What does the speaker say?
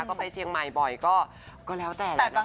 ก็ไปเชียงใหม่บ่อยก็แล้วแต่แหละนะคะ